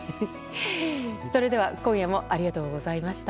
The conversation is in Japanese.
それでは、今夜もありがとうございました。